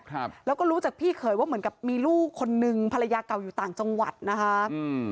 ครับแล้วก็รู้จากพี่เขยว่าเหมือนกับมีลูกคนนึงภรรยาเก่าอยู่ต่างจังหวัดนะคะอืม